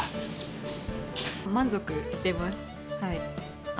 満足してます。